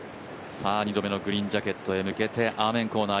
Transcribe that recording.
２度目のグリーンジャケットに向けて、アーメンコーナー